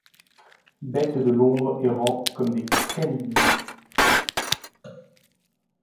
Bêtes de l’ombre errant comme des Canidies